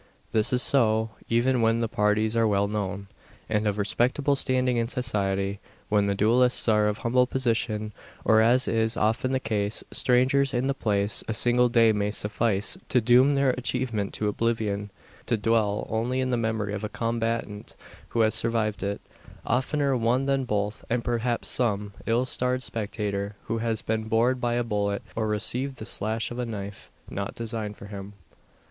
This is so, even when the parties are well known, and of respectable standing in society. When the duellists are of humble position or, as is often the case, strangers in the place a single day may suffice to doom their achievement to oblivion; to dwell only in the memory of the combatant who has survived it oftener one than both and perhaps some ill starred spectator, who has been bored by a bullet, or received the slash of a knife, not designed for him.